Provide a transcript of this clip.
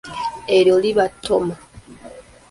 Eryo liba ttooma.